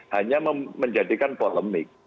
hanya menjadikan polemik